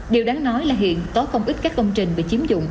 điều đáng nói là hiện có không ít các công trình bị chiếm dụng